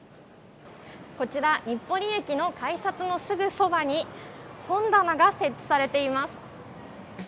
こちら、日暮里駅の改札のすぐそばに、本棚が設置されています。